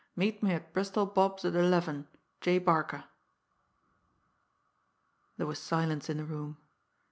Meet me at Bristol Bob's at eleven. J. Barca.'" There was silence in the room.